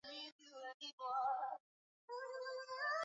na hatimae kuiminya uingereza isipate nafasi kumbuka kwamba